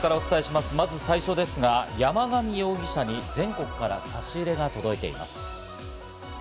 まず最初ですが、山上容疑者に全国から差し入れが届いています。